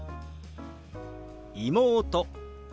「妹」。